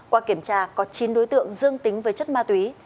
qua kiểm tra có chín đối tượng dương tính với chất ma túy